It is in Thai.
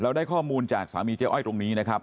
ได้ข้อมูลจากสามีเจ๊อ้อยตรงนี้นะครับ